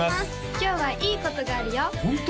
今日はいいことがあるよホント？